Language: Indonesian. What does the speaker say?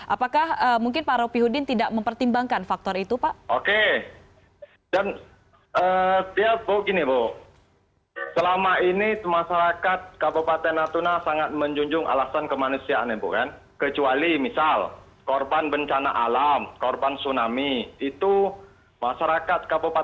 apakah mungkin pak ropihudin tidak mempertimbangkan faktor itu pak